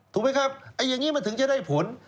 ถูกไหมครับอย่างนี้มันถึงจะได้ผล